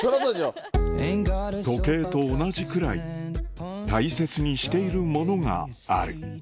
時計と同じくらい大切にしているものがある